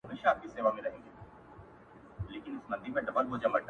شكر چي ښكلا يې خوښــه ســوېده،